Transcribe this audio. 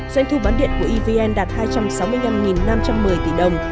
doanh thu bán điện của evn đạt hai trăm sáu mươi năm năm trăm một mươi tỷ đồng